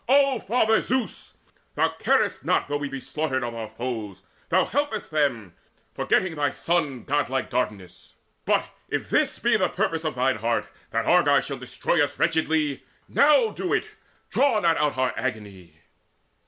O Father Zeus, thou carest not though we Be slaughtered of our foes: thou helpest them, Forgetting thy son, godlike Dardanus! But, if this be the purpose of thine heart That Argives shall destroy us wretchedly, Now do it: draw not out our agony!"